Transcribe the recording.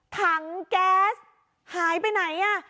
ถังแก๊สหายไปไหน